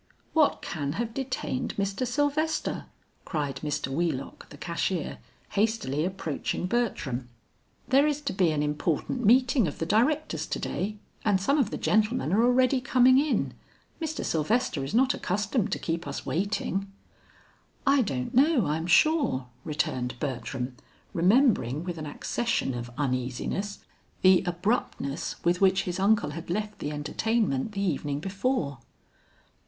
"What can have detained Mr. Sylvester?" cried Mr. Wheelock the cashier, hastily approaching Bertram. "There is to be an important meeting of the Directors to day, and some of the gentlemen are already coming in. Mr. Sylvester is not accustomed to keep us waiting." "I don't know, I am sure," returned Bertram, remembering with an accession of uneasiness, the abruptness with which his uncle had left the entertainment the evening before.